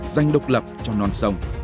dành độc lập cho non sông